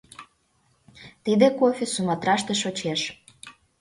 Тиде кофе Суматраште шочеш.